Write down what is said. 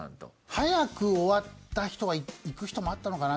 早く終わった人は行く人もあったのかな？